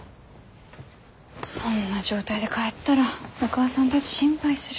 そんな状態で帰ったらお母さんたち心配する。